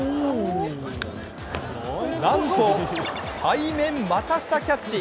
なんと背面股下キャッチ。